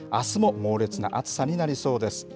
あすも猛烈な暑さになりそうです。